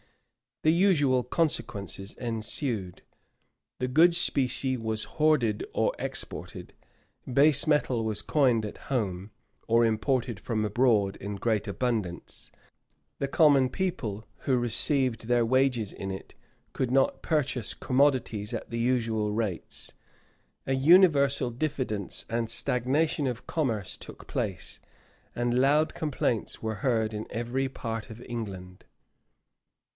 The usual consequences ensued: the good specie was hoarded or exported; base metal was coined at home, or imported from abroad in great abundance; the common people, who received their wages in it, could not purchase commodities at the usual rates: a universal diffidence and stagnation of commerce took place; and loud complaints were heard in every part of England.